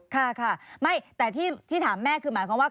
ค่ะค่ะไม่แต่ที่ถามแม่คือหมายความว่า